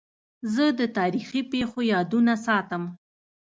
زه د تاریخي پېښو یادونه ساتم.